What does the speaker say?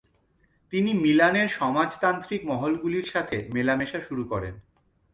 তিনি মিলানের সমাজতান্ত্রিক মহলগুলির সাথে মেলামেশা শুরু করেন।